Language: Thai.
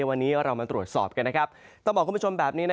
วรุ่นที่มาในช่วง๖โน้น